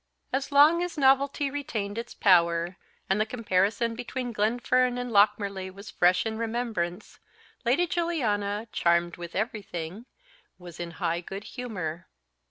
As long as novelty retained its power, and the comparison between Glenfern and Lochmarlie was fresh in remembrance, Lady Juliana, charmed with everything, was in high good humour.